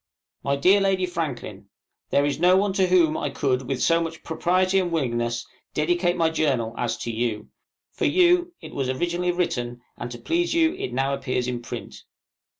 MY DEAR LADY FRANKLIN, There is no one to whom I could with so much propriety or willingness dedicate my Journal as to you. For you it was originally written, and to please you it now appears in print.